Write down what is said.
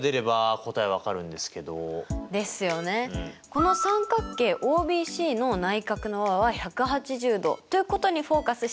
この三角形ＯＢＣの内角の和は１８０°ということにフォーカスして考えてみましょうか。